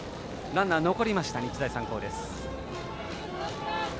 ランナー残りました、日大三高。